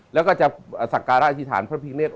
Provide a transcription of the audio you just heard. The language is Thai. แล้วก็จะศักดิ์ร่าชีฐานพระพิกเรศ